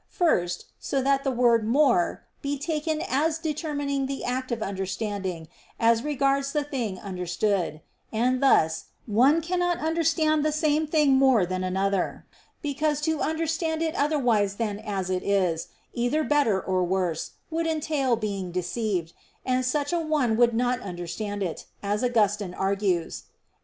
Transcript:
First, so that the word "more" be taken as determining the act of understanding as regards the thing understood; and thus, one cannot understand the same thing more than another, because to understand it otherwise than as it is, either better or worse, would entail being deceived, and such a one would not understand it, as Augustine argues (QQ.